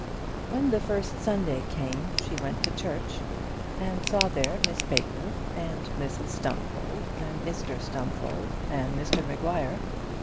When the first Sunday came, she went to church, and saw there Miss Baker, and Mrs Stumfold, and Mr Stumfold and Mr Maguire.